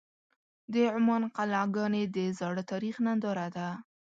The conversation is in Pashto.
د عمان قلعهګانې د زاړه تاریخ ننداره ده.